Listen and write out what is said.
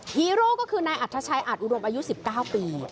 ฮีโร่ก็คือนายอัธชัยอาจอุดมอายุ๑๙ปี